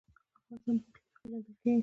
افغانستان د اوښ له مخې پېژندل کېږي.